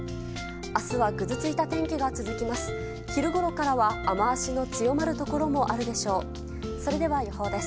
明日はぐずついた天気が続きます。